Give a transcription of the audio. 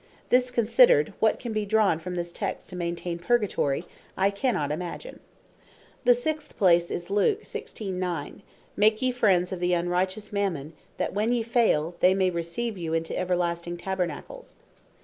This Considered, what can be drawn from this text, to maintain Purgatory, I cannot imagine. The sixth place is Luke 16. 9. "Make yee friends of the unrighteous Mammon, that when yee faile, they may receive you into Everlasting Tabernacles."